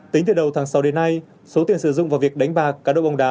tính từ đầu tháng sáu đến nay số tiền sử dụng vào việc đánh bạc cá độ bóng đá